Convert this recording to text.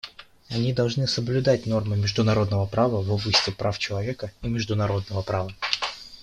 Они должны соблюдать нормы международного права в области прав человека и международного права.